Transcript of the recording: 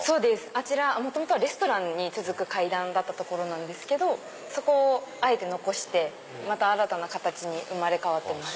あちら元々はレストランに続く階段だった所なんですけどそこをあえて残して新たな形に生まれ変わってます。